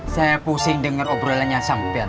saya pusing denger obrolannya sampian